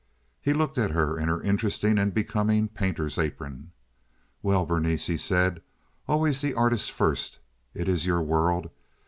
He looked at her in her interesting and becoming painter's apron. "Well, Berenice," he said, "always the artist first. It is your world.